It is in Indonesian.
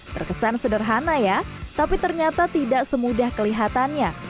terkesan sederhana ya tapi ternyata tidak semudah kelihatannya